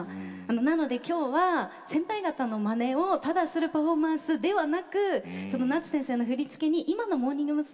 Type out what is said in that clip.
なので、今日は先輩方のまねをただするパフォーマンスではなく夏先生の振り付けに今のモーニング娘。